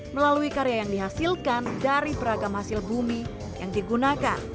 melalui karya yang dihasilkan dari beragam hasil bumi yang digunakan